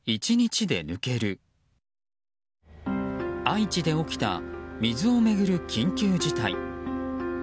愛知で起きた水を巡る緊急事態。